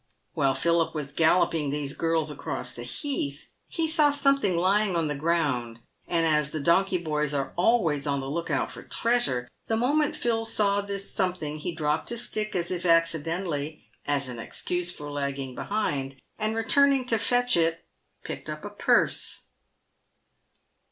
While Philip was galloping these girls across the heath, he saw something lying on the ground, and as the donkey boys are always on the look out for treasure, the moment Phil saw this something, he dropped his stick as if accidentally, as an excuse for lagging behind, and returning to fetch it, picked up a purse.